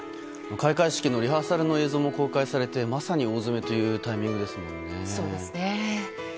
開会式のリハーサル映像も公開されてまさに大詰めというタイミングですもんね。